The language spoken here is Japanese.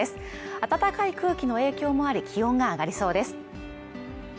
暖かい空気の影響もあり気温が上がりそうです